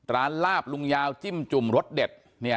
ลาบลุงยาวจิ้มจุ่มรสเด็ด